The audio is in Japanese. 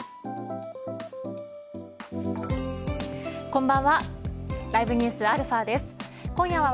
こんばんは。